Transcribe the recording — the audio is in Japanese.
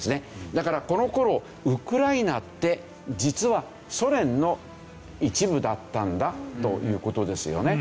だからこの頃ウクライナって実はソ連の一部だったんだという事ですよね。